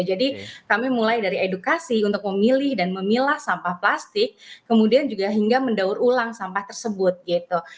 jadi kami mulai dari edukasi untuk memilih dan memilah sampah plastik kemudian juga hingga mendaur ulang sampah tersebut gitu